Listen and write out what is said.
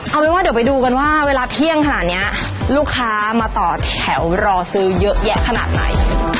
เอาเป็นว่าเดี๋ยวไปดูกันว่าเวลาเที่ยงขนาดนี้ลูกค้ามาต่อแถวรอซื้อเยอะแยะขนาดไหน